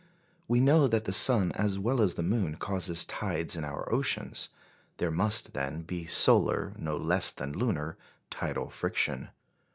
We know that the sun as well as the moon causes tides in our oceans. There must, then, be solar, no less than lunar, tidal friction.